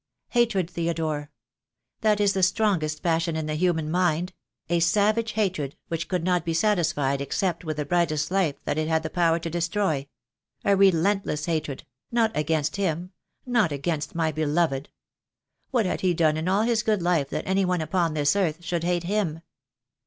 "Hatred, Theodore. That is the strongest passion in THE DAY WILL COME. 157 the human mind — a savage hatred which could not be satisfied except with the brightest life that it had the power to destroy — a relentless hatred — not against him, not against my beloved. What had he done in all his good life that any one upon this earth should hate him?